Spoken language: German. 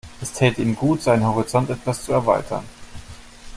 Es täte ihm gut, seinen Horizont etwas zu erweitern.